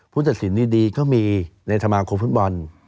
ผู้จัดสินดีก็มีในสมาครกรฟุตบอล